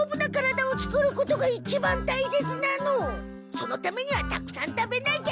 そのためにはたくさん食べなきゃ。